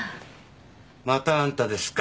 またあんたですか。